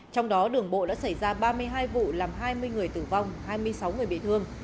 trong đó đường bộ đã xảy ra ba mươi hai vụ làm hai mươi người tử vong hai mươi sáu người bị thương